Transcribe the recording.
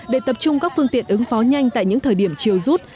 để tập trung các phương tiện ứng phó nhanh tại những thời điểm chiều rút